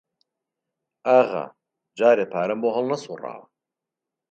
ئاغا جارێ پارەم بۆ هەڵنەسووڕاوە